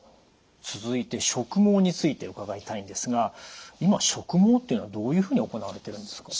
続いて植毛について伺いたいんですが今植毛っていうのはどういうふうに行われてるんですか？